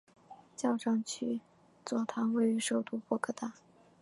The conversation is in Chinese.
教长区座堂位于首都波哥大。